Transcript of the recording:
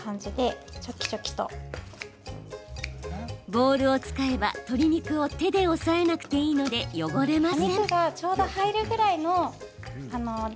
ボウルを使えば、鶏肉を手で押さえなくていいので汚れません。